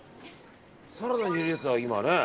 サラダに入れるやつだ。